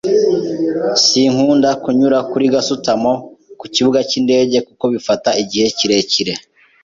Sinkunda kunyura kuri gasutamo kukibuga cyindege kuko bifata igihe kirekire.